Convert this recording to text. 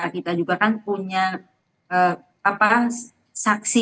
kita juga kan punya saksi yang kuat bahwa pegi saat itu berada di bandung saat kejadian